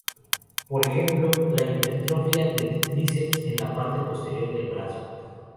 Por ejemplo, la hipertrofia del tríceps en la parte posterior del brazo.